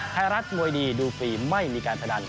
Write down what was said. ไทยรัฐมวยดีดูฟรีไม่มีการพนัน